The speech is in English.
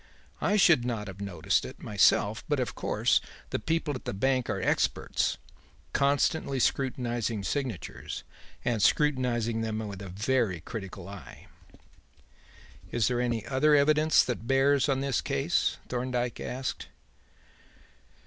I should not have noticed it, myself, but, of course, the people at the bank are experts, constantly scrutinizing signatures and scrutinizing them with a very critical eye." "Is there any other evidence that bears on the case?" Thorndyke asked.